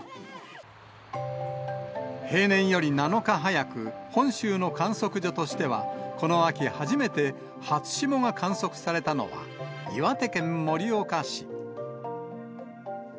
平年より７日早く本州の観測所としては、この秋、初めて初霜が観測されたのは、岩手県盛岡市。